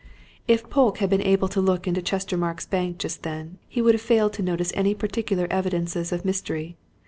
If Polke had been able to look into Chestermarke's Bank just then, he would have failed to notice any particular evidences of mystery.